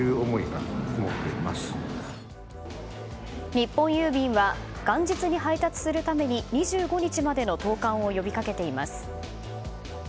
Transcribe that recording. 日本郵便は元日に配達するために２５日までの投函を呼び掛けています。